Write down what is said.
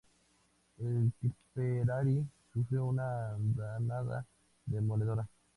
El "Tipperary" sufrió una andanada demoledora.